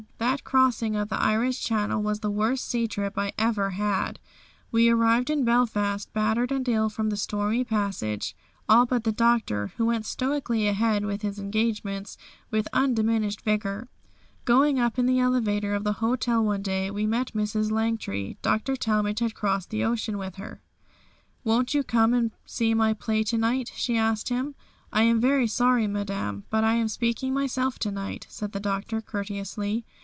That crossing of the Irish Channel was the worst sea trip I ever had. We arrived in Belfast battered and ill from the stormy passage, all but the Doctor, who went stoically ahead with his engagements with undiminished vigour. Going up in the elevator of the hotel one day, we met Mrs. Langtry. Dr. Talmage had crossed the ocean with her. "Won't you come and see my play to night?" she asked him. "I am very sorry, Madame, but I am speaking myself to night," said the Doctor courteously.